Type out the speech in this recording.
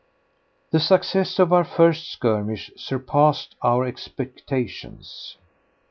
The success of our first skirmish surpassed our expectations.